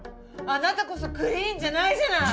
あなたこそクリーンじゃないじゃない！